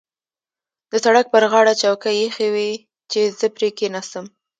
د سړک پر غاړه چوکۍ اېښې وې چې زه پرې کېناستم.